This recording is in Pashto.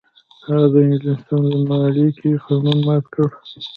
هغه د انګلیسانو د مالګې قانون مات کړ.